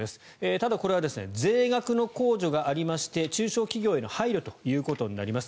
ただ、これは税額の控除がありまして中小企業への配慮ということになります。